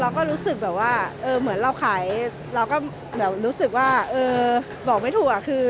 เราก็รู้สึกแบบว่าเหมือนเราขายเราก็รู้สึกว่าเออบอกไม่ถูกคือ